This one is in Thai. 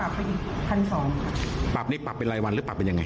ปรับเป็นอีกพันสองครับปรับนี่ปรับเป็นไรวันหรือปรับเป็นยังไง